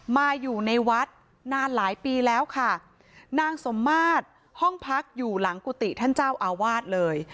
มาอยู่ในวัดนานหลายปีแล้วค่ะนางสมมาตรห้องพักอยู่หลังกุฏิท่านเจ้าอาวาสเลย